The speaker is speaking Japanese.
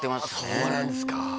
そうなんですか。